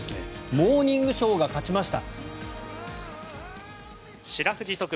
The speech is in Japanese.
モーニングショーが勝ちました。